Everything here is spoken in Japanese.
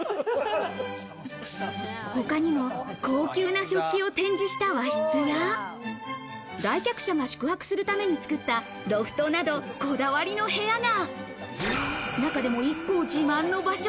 他にも、高級な食器を展示した和室や、来客者が宿泊するために作ったロフトなどこだわりの部屋が。